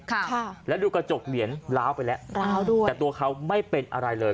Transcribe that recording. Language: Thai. ค่ะแล้วดูกระจกเหรียญล้าวไปแล้วล้าวด้วยแต่ตัวเขาไม่เป็นอะไรเลย